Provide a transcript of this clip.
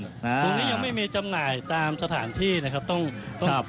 ตรงนี้ยังไม่มีจำหน่ายตามสถานที่นะครับ